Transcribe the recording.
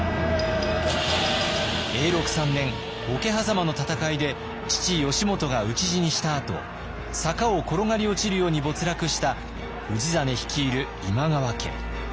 永禄３年桶狭間の戦いで父義元が討ち死にしたあと坂を転がり落ちるように没落した氏真率いる今川家。